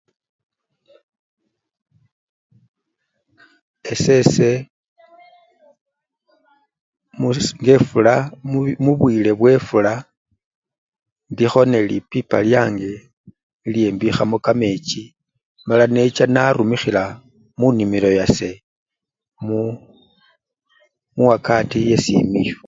Esese ngefu-mubwile bwefula indikho ne lipipa lyange nilyo mbikhamo kamechi mala necha narumikhila munimilo yase mu-wakati yesimiyu.